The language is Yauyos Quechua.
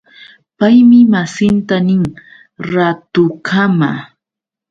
Paymi masinta nin: Raatukama.